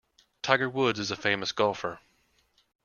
Tiger Woods is a famous golfer.